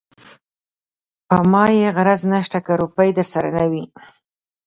په ما يې غرض نشته که روپۍ درسره نه وي.